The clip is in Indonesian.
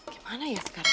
gimana ya sekarang